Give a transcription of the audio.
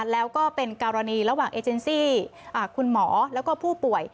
แล้วก็เป็นกรณีระหว่างเอเจนซี่คุณหมอแล้วก็ผู้ป่วย